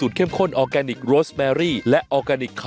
โดนกันหมดทั้งนั้นอะจริง